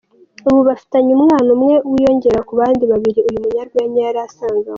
Ubu bafitanye umwana umwe wiyongera ku bandi babiri uyu munyarwenya yari asanganywe.